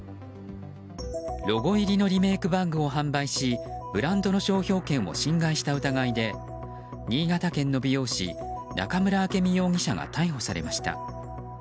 ロゴ入りのリメイクバッグを販売しブランドの商標権を侵害した疑いで新潟県の美容師中村暁美容疑者が逮捕されました。